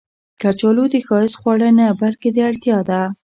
کچالو د ښایست خواړه نه، بلکې اړتیا ده